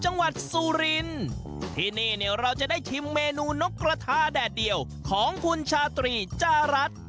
จังหวัดสุรินที่นี่เนี่ยเราจะได้ชิมเมนูนกกระทาแดดเดียวของคุณชาตรีจารัฐ